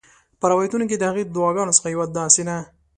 په روایتونو کې د هغې د دعاګانو څخه یوه داسي ده: